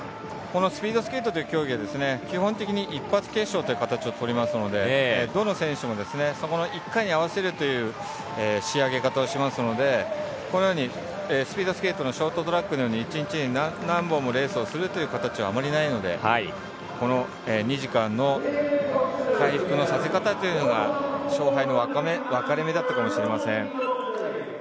スピードスケートという競技は基本的に一発決勝という形をとりますのでどの選手もそこの１回に合わせるという仕上げ方をしますのでスピードスケートのショートトラックのように１日に何本もレースをするという形はあまりないので２時間の回復のさせ方というのが勝敗の分かれ目だったかもしれません。